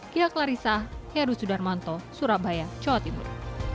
kia klarissa heru sudarmanto surabaya jawa timur